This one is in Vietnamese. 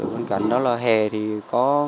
bên cạnh đó là hè thì có